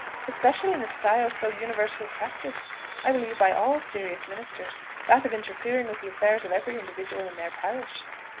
especially in the style so universally practised, I believe, by all serious ministers that of interfering with the affairs of every individual in their parish."